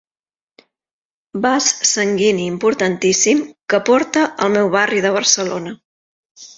Vas sanguini importantíssim que porta al meu barri de Barcelona.